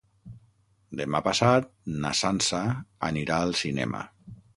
Demà passat na Sança anirà al cinema.